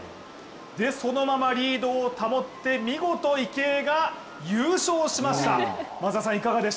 そのままリードを保って見事、池江が優勝しました。